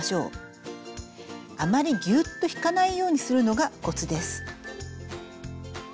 あまりギュッと引かないようにするのがコツです。